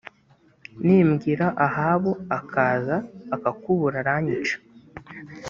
nimbwira ahabu akaza akakubura aranyica